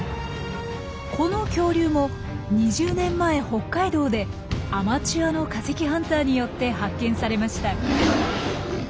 この恐竜も２０年前北海道でアマチュアの化石ハンターによって発見されました。